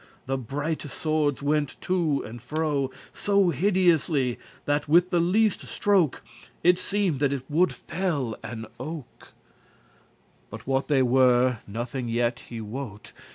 *fiercely The brighte swordes wente to and fro So hideously, that with the leaste stroke It seemed that it woulde fell an oak, But what they were, nothing yet he wote*.